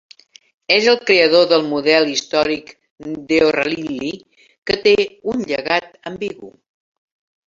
És el creador del model històric d'O'Rahilly, que té un llegat ambigu.